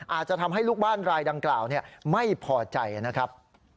อาจจะทำให้ลูกบ้านรายดังกล่าวไม่พอใจนะครับ